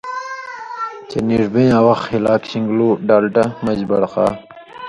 چے نیڙ بېن٘یاں وخ ہِلاک شن٘گلو ڈالٹہ مژ بڑقا